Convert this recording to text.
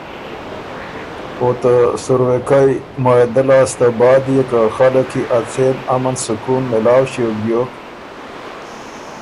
او ته سُروېکئ معاهدۀ لاسته بعد يې که خلق کی ا څېن امن سکون مېلاؤ ݭیوک بیوک